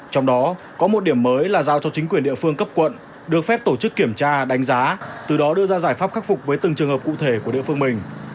trong đó có một điểm mới là giao cho chính quyền địa phương cấp quận được phép tổ chức kiểm tra đánh giá từ đó đưa ra giải pháp khắc phục với từng trường hợp cụ thể của địa phương mình